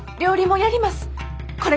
やります！